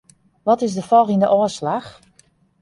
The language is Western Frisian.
Wat is de folgjende ôfslach?